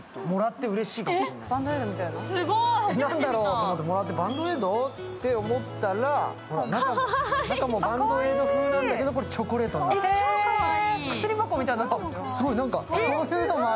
何だろうと思って、もらってバンドエイド？と思ったら中もバンドエイド風なんだけど、チョコレートが入ってる。